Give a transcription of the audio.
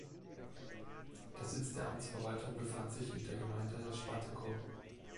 Der Sitz der Amtsverwaltung befand sich in der Gemeinde Spantekow.